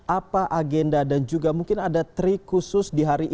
apa agenda dan juga mungkin ada trik khusus di hari ini